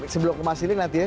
sebelum ke mas ili nanti ya